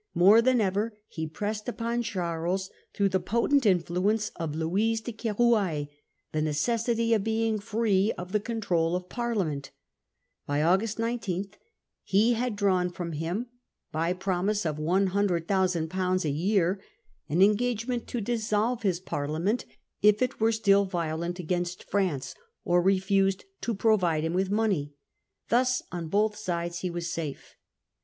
More than ever he pressed upon Charles through the potent influence of Louise ofCharl^ en de Keroualle the necessity of being free of with Louis. the contro i 0 f Parliament. By August 19 he had drawn from him, by promise of 100,000/. a year, an engagement to dissolve his Parliament if it were still violent against France or refused to provide him with money. Thus on both sides he was safe.